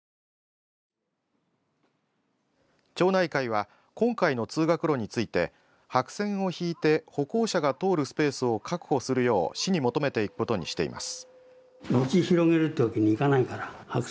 町内会は今回の通学路について白線を引いて歩行者が通るスペースを確保するよう市に求めていくことにしています。